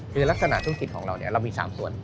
คือลักษณะธุรกิจของเราเรามี๓ส่วน